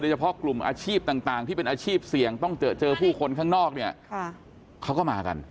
เฉพาะกลุ่มอาชีพต่างที่เป็นอาชีพเสี่ยงต้องเจอผู้คนข้างนอกเนี่ยเขาก็มากัน